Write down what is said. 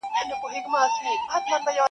مور له خلکو شرم احساسوي او ځان پټوي,